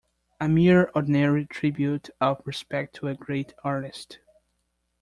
A mere ordinary tribute of respect to a great artist.